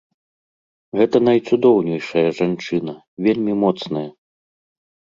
Гэта найцудоўнейшая жанчына, вельмі моцная.